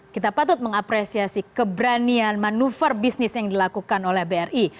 kita patut mengapresiasi keberanian manuver bisnis yang dilakukan oleh bri